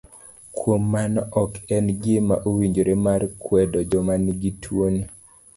Kuom mano ok en gima owinjore mar kwedo joma nigi tuoni.